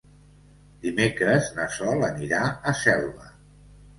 Dimecres na Sol anirà a Selva.